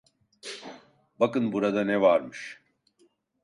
Bakın burada ne varmış?